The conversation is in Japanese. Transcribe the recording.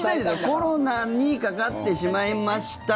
コロナにかかってしまいました。